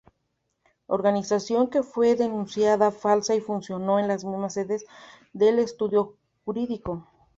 Organización que fue denunciada falsa y funcionó en la misma sede del estudio jurídico.